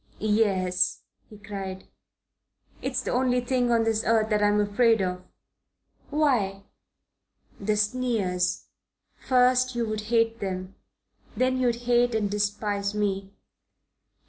"Yes," he cried. "It's the only thing on this earth that I'm afraid of." "Why?" "The sneers. First you'd hate them. Then you'd hate and despise me."